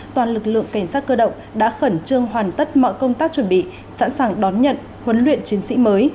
toàn lực lượng cảnh sát cơ động đã khẩn trương hoàn tất mọi công tác chuẩn bị sẵn sàng đón nhận huấn luyện chiến sĩ mới